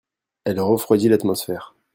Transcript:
elle refroidit l'atmosphère.